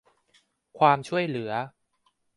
ความช่วยเหลือ